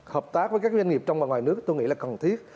hợp tác với các doanh nghiệp trong và ngoài nước tôi nghĩ là cần thiết